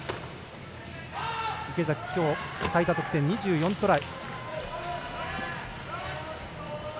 池崎、きょう最多得点、２４トライ。